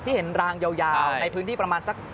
เห็นรางยาวในพื้นที่ประมาณสัก